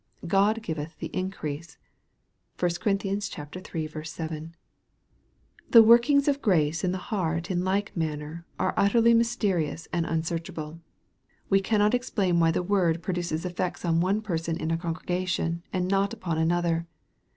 " God giveth the increase."* (1 Cor. iii. 7.) The workings of grace in the heart in like manner, are utterly mysterious and unsearchable. We cannot explain why the word produces eifects on one person in a congre gation, and not upon another.